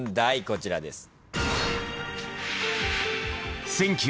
こちらです。